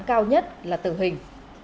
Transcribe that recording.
cao nhất là tự hình